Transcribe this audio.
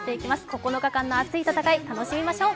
９日間の熱い戦い、楽しみましょう。